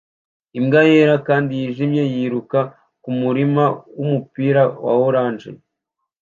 Imbwa yera kandi yijimye yiruka kumurima wumupira wa orange